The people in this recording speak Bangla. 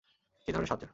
কী ধরনের সাহায্য?